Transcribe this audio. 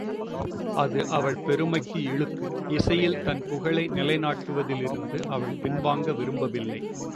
அது அவள் பெருமைக்கு இழுக்கு இசையில் தன் புகழை நிலை நாட்டுவதில் இருந்து அவள் பின்வாங்க விரும்பவில்லை.